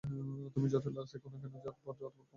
তুমি যতই লাশ দেখো না যতো বড় কমান্ড হও না কেন।